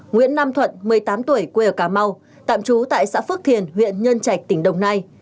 nguyễn nam thuận một mươi tám tuổi quê ở cà mau tạm trú tại xã phước thiền huyện nhân trạch tỉnh đồng nai